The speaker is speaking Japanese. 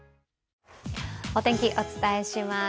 お天気、お伝えします。